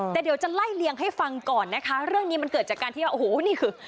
แต่เดี๋ยวจะไล่เลี่ยงให้ฟังก่อนนะคะเรื่องนี้มันเกิดจากการที่ว่าโอ้โหนี่คือ